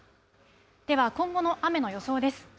では、今後の雨の予想です。